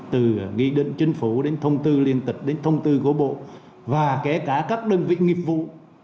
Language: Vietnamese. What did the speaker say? từ nghị định chính phủ đến thông tư liên tịch đến thông tư của bộ và kể cả các đơn vị nghiệp vụ